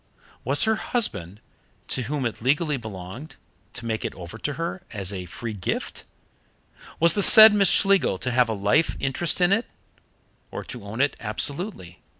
Was her husband, to whom it legally belonged, to make it over to her as a free gift? Was the said Miss Schlegel to have a life interest in it, or to own it absolutely?